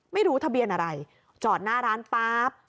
ไม่รู้ทะเบียนอะไรจอดหน้าร้านป๊าบ